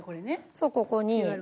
そうここに。